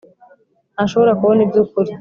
ntashobora kubona ibyukuri.